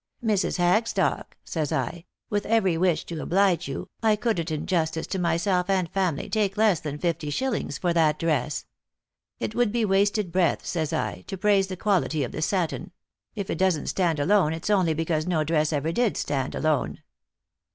' Mrs. Hagstock,' says I, ' with every wish to oblige you, I couldn't in justice to myself and family take less than fifty shillings for that dress. It would be wasted breath,' says J, ' to praise the quality of the satin ; if it doesn't stand alone it's only because no dress ever did stand alone.